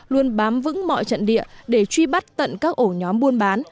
luôn bám vững mọi trận địa để truy bắt tận các ổ nhóm buôn bán